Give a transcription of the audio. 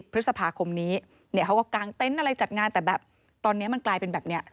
พฤษภาคมนี้เนี่ยเขาก็กางเต็นต์อะไรจัดงานแต่แบบตอนนี้มันกลายเป็นแบบนี้